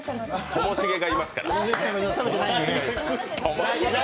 ともしげがいますから。